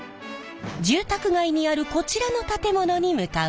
住宅街にあるこちらの建物に向かうと。